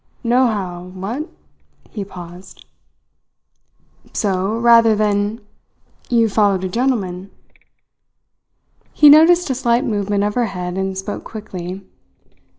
Nohow what?" He paused. "So, rather than you followed a gentleman?" He noticed a slight movement of her head and spoke quickly.